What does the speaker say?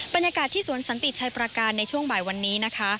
บรรยากาศที่สวนสันติชัยประการในช่วงบ่ายวันนี้นะคะ